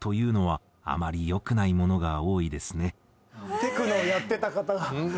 テクノをやってた方が。